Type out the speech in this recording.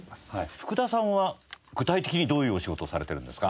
福田さんは具体的にどういうお仕事をされてるんですか？